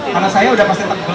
karena saya udah pasti tebel